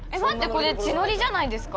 これ血のりじゃないですか？